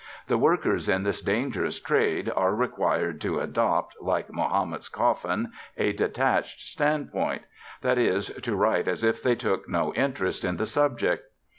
The workers in this dangerous trade are required to adopt (like Mahomet's coffin) a detached standpoint that is, to write as if they took no interest in the subject.